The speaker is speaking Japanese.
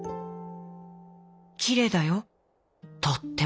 きれいだよとっても。